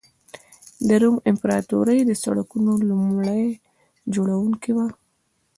د روم امپراتوري د سړکونو لومړي جوړوونکې وه.